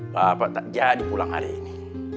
bapak jadi pulang hari ini